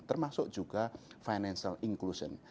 termasuk juga financial inclusion